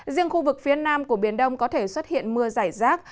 riêng khu vực phía nam của biển đông có thể xuất hiện mưa rải rác